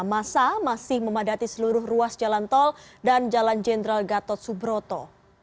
masa masih memadati seluruh ruas jalan tol dan jalan jenderal gatot subroto